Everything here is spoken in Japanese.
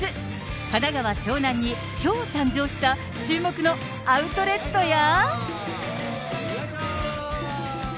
神奈川・湘南にきょう誕生した注目のアウトレットや。